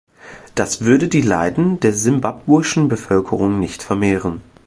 Das würde die Leiden der simbabwischen Bevölkerung nicht vermehren.